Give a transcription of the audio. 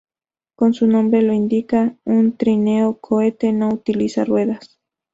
Como su nombre lo indica, un trineo cohete no utiliza ruedas.